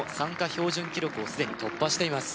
標準記録をすでに突破しています